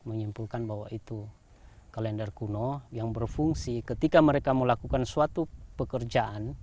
menyimpulkan bahwa itu kalender kuno yang berfungsi ketika mereka melakukan suatu pekerjaan